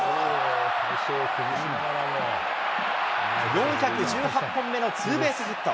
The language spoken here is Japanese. ４１８本目のツーベースヒット。